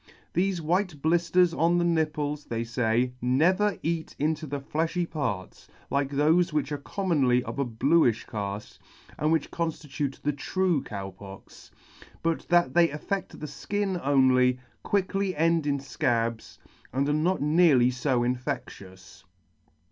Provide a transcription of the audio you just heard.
Thefe white blitters on the nipples, they fay, never eat into the fiejhy. parts like thofe which are commonly of a blueifh caft, and which conflitute the true Cow Pox, but that they affedt the {kin only, quickly end in fcabs, and are not nearly fo infectious.